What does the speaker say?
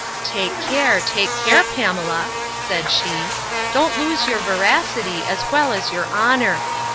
—Take care, take care, Pamela! said she: don't lose your veracity, as well as your honour!